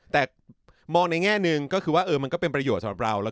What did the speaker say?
แต่มองในแง่หนึ่งก็คือว่ามันก็เป็นประโยชน์สำหรับเรา